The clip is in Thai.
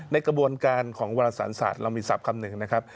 ในกระบวนการของเวลาสารศาสตร์เรามีศัพท์คำหนึ่งนะครับ